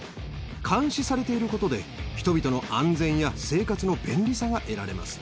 監視されていることで、人々の安全や生活の便利さが得られます。